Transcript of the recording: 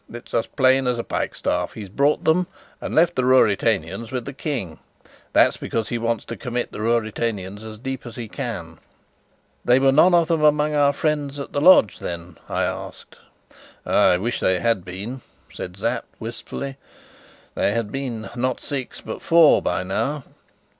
It's as plain as a pikestaff. He's brought them, and left the Ruritanians with the King; that's because he wants to commit the Ruritanians as deep as he can." "They were none of them among our friends at the lodge, then?" I asked. "I wish they had been," said Sapt wistfully. "They had been, not six, but four, by now."